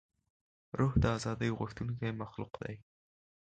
روح د ازادۍ غوښتونکی مخلوق دی.